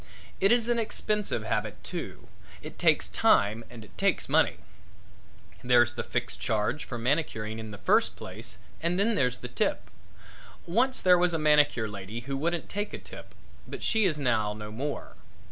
It is an expensive habit, too; it takes time and it takes money. There's the fixed charge for manicuring in the first place and then there's the tip. Once there was a manicure lady who wouldn't take a tip, but she is now no more.